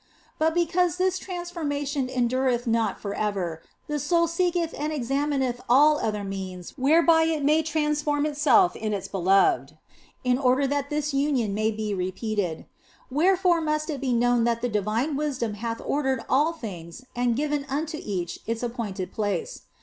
But because this transformation endureth not for ever, the soul seeketh and examineth all other means whereby it may transform itself in its Beloved, in order that this union may be repeated. Wherefore must it be known that the divine wisdom hath ordered all things and given unto each its appointed place.